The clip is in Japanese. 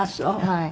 はい。